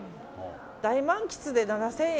大満喫で７０００円。